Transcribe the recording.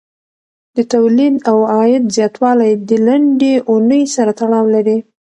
د تولید او عاید زیاتوالی د لنډې اونۍ سره تړاو لري.